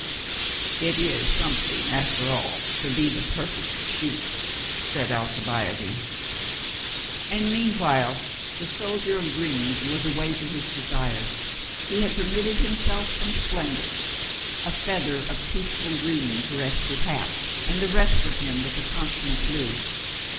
"It is something, after all, to be the perfect sheep," said Alcibiade, And meanwhile the soldier of dreams was away to his desire. He had permitted himself some splen dor. A feather of peaceful green caressed his hat, and the rest of him was a consonant blue.